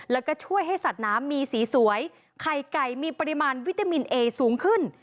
แล้วก็ช่วยให้สัตว์น้ำมีสีสวยไข่ไก่มีปริมาณวิตามินเอสูงขึ้น